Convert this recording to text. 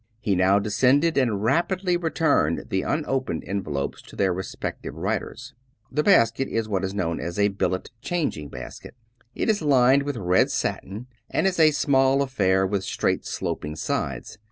He now descended and rapidly returned the unopened envelopes to their respec tive writers. The basket is what is known as a " Billet changing basket." It is lined with red satin and is a small affair with straight sloping sides.